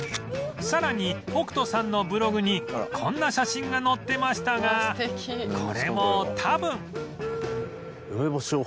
さらに北斗さんのブログにこんな写真が載ってましたがこれも多分